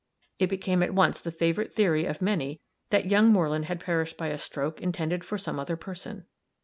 It became at once the favorite theory of many that young Moreland had perished by a stroke intended for some other person.